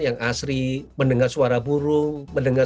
yang asri mendengar suara burung mendengar